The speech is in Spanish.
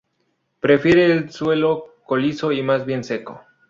Prefiere el suelo calizo y más bien seco.